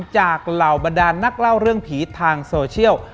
เหล่าบรรดานนักเล่าเรื่องผีทางโซเชียล